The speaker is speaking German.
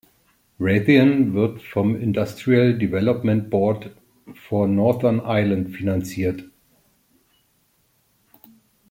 Raytheon wird vom Industrial Development Board for Northern Ireland finanziert.